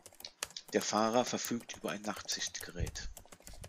Der Fahrer verfügt über ein Nachtsichtgerät.